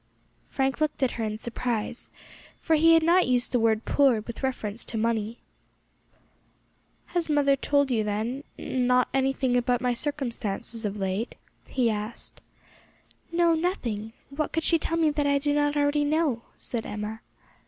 Frank looked at her in surprise, for he had not used the word poor with reference to money. "Has mother, then, not told you anything about my circumstances of late?" he asked. "No, nothing; what could she tell me that I do not already know?" said Emma.